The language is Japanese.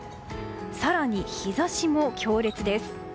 更に日差しも強烈です。